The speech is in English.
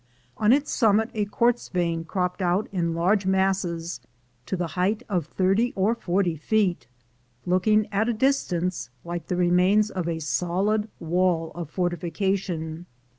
On its summit a quartz vein cropped out in large masses to the height of thirtj or forty feet, looking at a distance like the remains of a solid wall of fortification.